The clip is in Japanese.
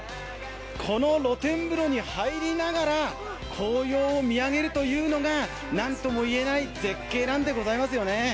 この露天風呂に入りながら紅葉を見上げるというのが、何ともいえない絶景なんでございますよね。